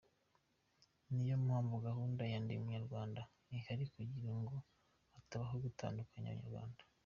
Niyo mpamvu gahunda ya Ndi Umunyarwanda ihari kugira ngo hatabaho gutandukanya Abanyarwanda.